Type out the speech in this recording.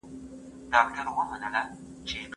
فارابي د ټولني غړي د ژوندي موجود له غړو سره ورته کړي دي.